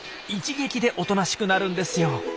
一撃でおとなしくなるんですよ。